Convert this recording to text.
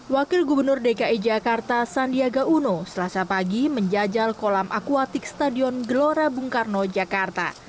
wakil gubernur dki jakarta sandiaga uno selasa pagi menjajal kolam akuatik stadion gelora bung karno jakarta